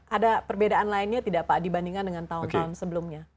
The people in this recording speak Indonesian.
ada perbedaan lainnya tidak pak dibandingkan dengan tahun tahun sebelumnya